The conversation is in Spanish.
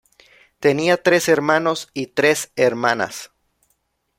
Tenía tres hermanos y tres hermanas.